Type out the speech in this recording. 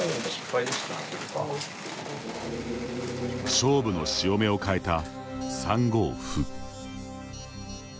勝負の潮目を変えた３五歩。